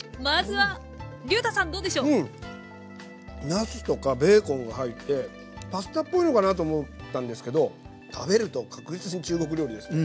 なすとかベーコンが入ってパスタっぽいのかなと思ったんですけど食べると確実に中国料理ですね。